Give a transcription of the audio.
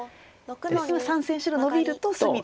すぐ３線白ノビると隅で。